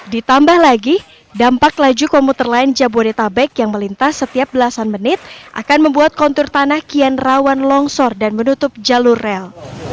ditambah lagi dampak laju komuter lain jabodetabek yang melintas setiap belasan menit akan membuat kontur tanah kian rawan longsor dan menutup jalur rel